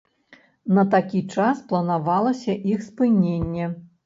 На такі час планавалася іх спыненне.